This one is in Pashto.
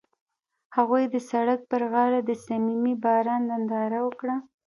هغوی د سړک پر غاړه د صمیمي باران ننداره وکړه.